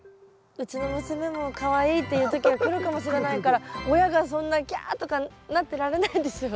うちの娘も「かわいい」って言う時が来るかもしれないから親がそんな「きゃ！」とかなってられないですよ。